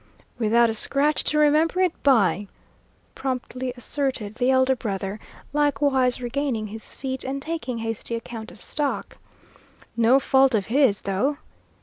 "Without a scratch to remember it by," promptly asserted the elder brother, likewise regaining his feet and taking hasty account of stock. "No fault of his, though!"